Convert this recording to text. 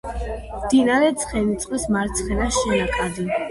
მდინარე ცხენისწყლის მარცხენა შენაკადი.